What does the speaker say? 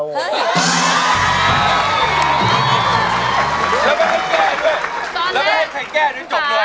เขาเกิดคุณแอมที่ได้คุณฝนแต่งกรณ์ให้